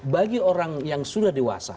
bagi orang yang sudah dewasa